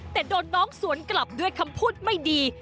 แต่โดนน้องสวนกลับด้วยคำพูดไม่ดี